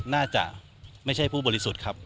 น่าจะไม่ใช่ผู้บริสุทธิ์ครับ